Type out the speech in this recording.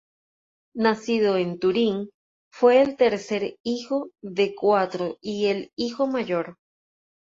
Nacido en Turín, fue el tercer hijo, de cuatro y el hijo mayor.